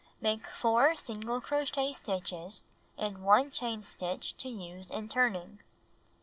Make 4 single crochet stitches and 1 chain stitch to use in turning.